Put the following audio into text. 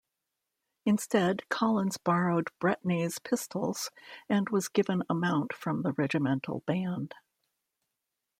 Instead Collins borrowed Bretney's pistols and was given a mount from the regimental band.